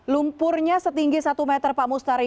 lumpurnya setinggi satu meter pak mustari